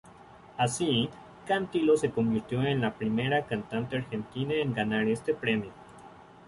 Así, Cantilo se convirtió en la primera cantante argentina en ganar este premio.